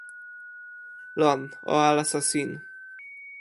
lon, o alasa sin.